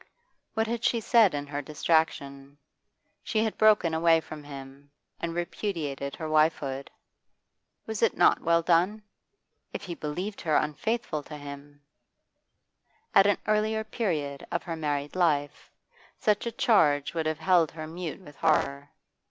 What had she said in her distraction? She had broken away from him, and repudiated her wifehood. Was it not well done? If he believed her unfaithful to him At an earlier period of her married life such a charge would have held her mute with horror.